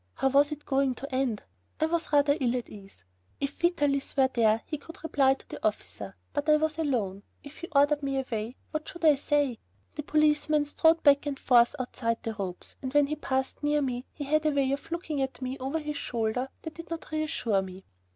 How was it going to end? I was rather ill at ease. If Vitalis were there he could reply to the officer. But I was alone. If he ordered me away, what should I say? The policeman strode back and forth outside the ropes, and when he passed near me, he had a way of looking at me over his shoulder that did not reassure me.